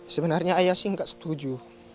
sebenarnya ayah sih gak setuju